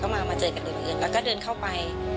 มาเจอกันอื่นแล้วก็เดินเข้าไป